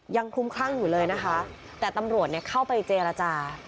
ยังคุ้มคลั่งอยู่เลยนะคะแต่ตำรวจเข้าไปเจรจา